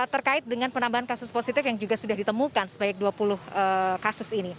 terkait dengan penambahan kasus positif yang juga sudah ditemukan sebanyak dua puluh kasus ini